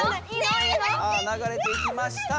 ・ながれていきました。